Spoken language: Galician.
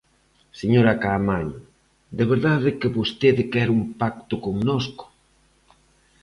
Señora Caamaño, ¿de verdade que vostede quere un pacto connosco?